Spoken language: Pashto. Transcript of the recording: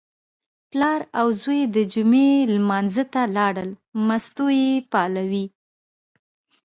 پلار او زوی د جمعې لمانځه ته لاړل، مستو یې پالوې.